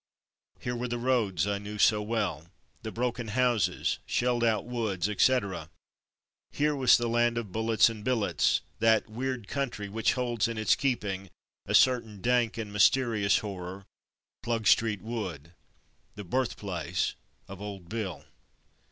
Here were the roads I knew so well, the broken houses, shelled out woods, etc. Here was the land of Bullets and Billets; that weird country which holds in its keeping a certain dank and mysterious horror, "Plug street" wood— the birthplace of "Old Bill."